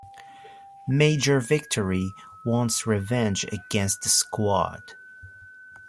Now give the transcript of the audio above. Major Victory wants revenge against the Squad.